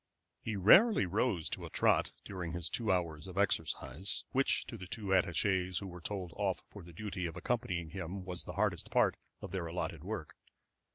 He rarely rose to a trot during his two hours of exercise, which to the two attaché's who were told off for the duty of accompanying him was the hardest part of their allotted work.